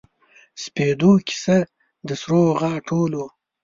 سپیدو کیسه د سروغاټولو